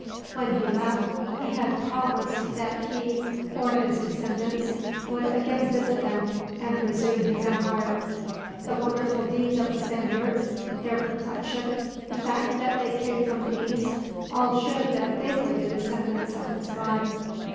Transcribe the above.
When he left he had promised that he or his descendants would again visit them, and resume his empire. The wonderful deeds of the Spaniards, their complexion, the fact that they came from the east all showed that they were the descendants of this god.